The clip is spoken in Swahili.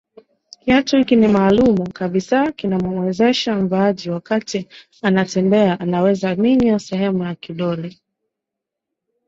Kiatu hiki ni maalumu kabisa kinamuwezesha mvaaji wakati anatembea anaweza minya sehemu na kidole